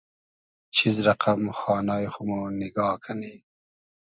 چیز رئقئم خانای خو مۉ نیگا کئنی